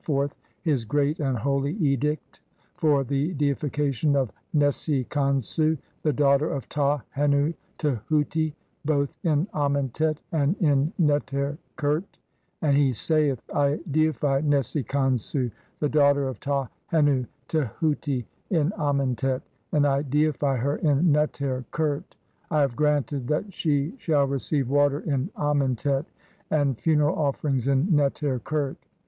CLXXXVII forth his great and holy edict for the deification of Nesi Khonsu, the daughter of Ta hennu Tehuti, both in Amentet and in Neter khert and he saith :— "I deify Nesi Khonsu, the daughter of Ta hennu "Tehuti in Amentet, and I deify her in Neter khert ; "I have granted that she shall receive water in Amen "tet and funeral offerings in Neter khert.